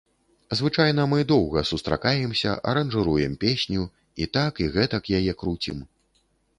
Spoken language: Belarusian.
Звычайна мы доўга сустракаемся, аранжыруем песню, і так, і гэтак яе круцім.